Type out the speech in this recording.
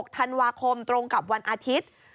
ธันวาคมตรงกับวันอาทิตย์